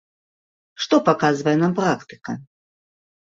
Што паказвае нам практыка?